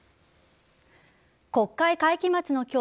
国会会期末の今日